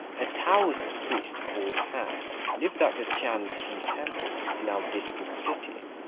A Taoist priest, called Han, lived at the T'ien ch'i temple, in our district city.